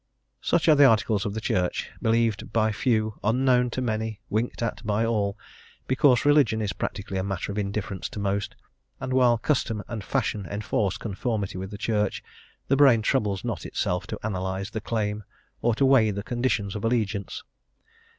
Such are the Articles of the Church; believed by few, unknown to many, winked at by all, because religion is practically a matter of indifference to most, and while custom and fashion enforce conformity with the Church, the brain troubles not itself to analyse the claim, or to weigh the conditions of allegiance.